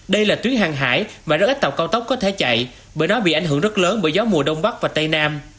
đây là tuyến hàng hải mà rất ít tàu cao tốc có thể chạy bởi nó bị ảnh hưởng rất lớn bởi gió mùa đông bắc và tây nam